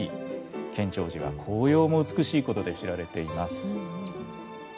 建長寺は紅葉も美しいことで知られています。